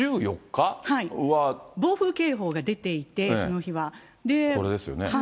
暴風警報が出ていて、その日これですよね。